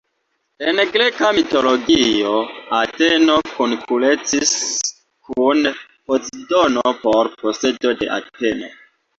En Greka mitologio, Ateno konkurencis kun Pozidono por posedo de Ateno.